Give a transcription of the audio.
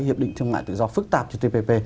hiệp định thương mại tự do phức tạp trên tpp